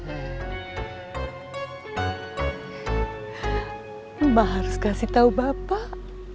emang harus kasih tau bapak